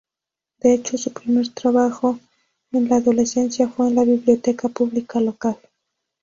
De hecho su primer trabajo en la adolescencia fue en la biblioteca pública local.